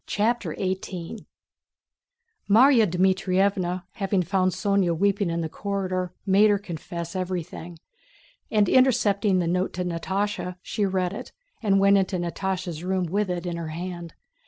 CHAPTER XVIII Márya Dmítrievna, having found Sónya weeping in the corridor, made her confess everything, and intercepting the note to Natásha she read it and went into Natásha's room with it in her hand.